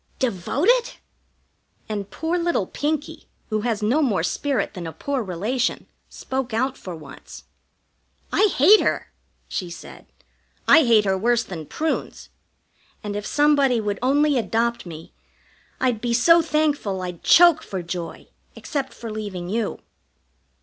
Devoted!" And poor little Pinkie, who has no more spirit than a poor relation, spoke out for once. "I hate her!" she said. "I hate her worse than prunes; and if somebody would only adopt me, I'd be so thankful I'd choke for joy, except for leaving you."